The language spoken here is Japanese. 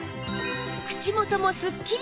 口元もすっきりと！